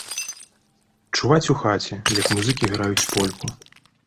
Чуваць у хаце, як музыкі граюць польку.